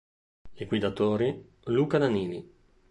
Liquidatori: Luca Nannini